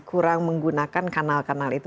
kurang menggunakan kanal kanal itu